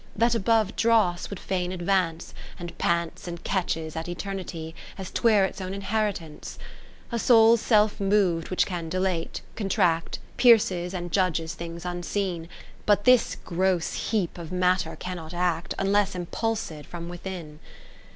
That above dross would fain advance, And pants and catches at Eternity, As 'twere its own inheritance. VII A soul self mov'd which can dilate, contract, Pierces and judges things unseen : But this gross heap of Matter cannot act. Unless impulsed from within.